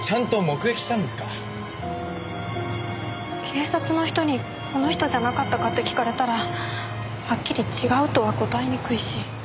警察の人にこの人じゃなかったかって聞かれたらはっきり違うとは答えにくいし。